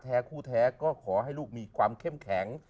คู่แท้ก็ขอให้ลูกมีความเข้มแข็ง